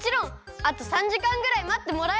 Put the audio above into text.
あと３じかんぐらいまってもらえれば！